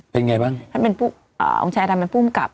เป็นไงบ้างอ๋อองค์ชายอดำมันผู้มกรับ